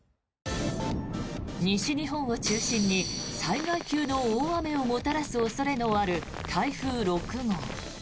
西日本を中心に災害級の大雨をもたらす恐れのある台風６号。